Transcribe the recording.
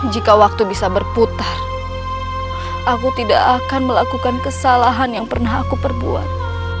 jika waktu bisa berputar aku tidak akan melakukan kesalahan yang pernah aku perbuat